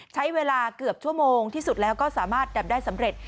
ใช้เวลาเกือบชั่วโมงที่สุดแล้วก็สามารถดับได้สำเร็จ